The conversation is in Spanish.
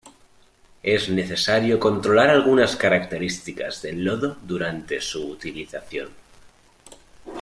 Es necesario controlar algunas características del lodo durante su utilización.